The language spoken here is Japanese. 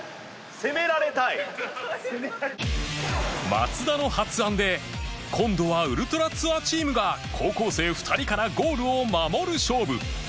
松田の発案で今度はウルトラツアーチームが高校生２人からゴールを守る勝負